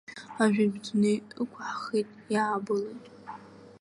Ажәытә дунеи ықәаҳхыит, иаабылит.